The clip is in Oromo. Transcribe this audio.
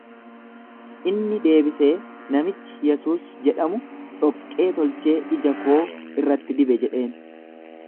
Inni deebisee, Namichi Yesuus jedhamu dhoqqee tolchee ija koo irratti dibe jedheen.